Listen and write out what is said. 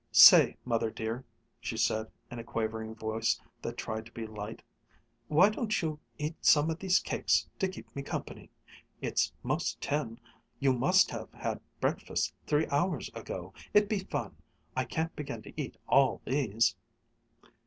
"Say, Mother dear," she said in a quavering voice that tried to be light, "why don't you eat some of these cakes to keep me company? It's 'most ten. You must have had breakfast three hours ago. It'd be fun! I can't begin to eat all these."